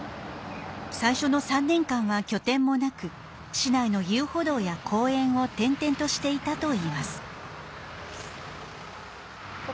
最初の３年間は拠点もなく市内の遊歩道や公園を転々としていたといいます。